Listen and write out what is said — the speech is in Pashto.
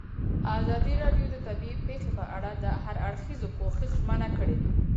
ازادي راډیو د طبیعي پېښې په اړه د هر اړخیز پوښښ ژمنه کړې.